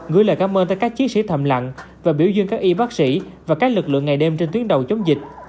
gửi lời cảm ơn tới các chiến sĩ thầm lặng và biểu dương các y bác sĩ và các lực lượng ngày đêm trên tuyến đầu chống dịch